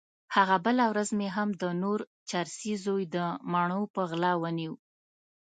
هغه بله ورځ مې هم د نور چرسي زوی د مڼو په غلا ونيو.